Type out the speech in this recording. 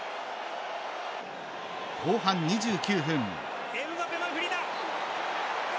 後半２９分。